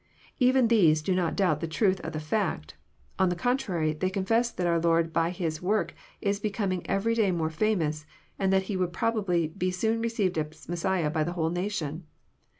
Even these do not doubt the truth of the fact; on the contrary, they confess that our Lord by His works is becoming every day more famous, and that He would probably be soon received as Messiah by the whole nation.